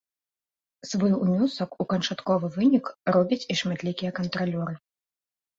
Свой унёсак у канчатковы вынік робяць і шматлікія кантралёры.